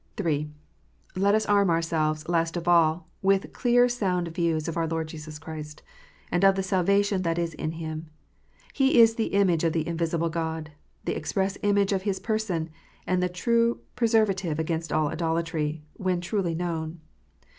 (3) Let us arm ourselves, last of all, with clear sound views of our Lord Jesus Christ, and of the salvation that is in Him. He is the " image of the invisible God," the express " image of His person," and the true preservative against all idolatry, when truly known.